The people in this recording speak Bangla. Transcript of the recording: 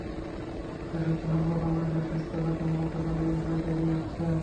বিশ্ব স্বাস্থ্য সংস্থা বাংলাদেশের স্বাস্থ্য খাতে মূলত কারিগরি সহায়তা দিয়ে আসছে।